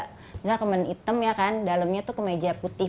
misalnya kemben hitam ya kan dalamnya itu kemeja putih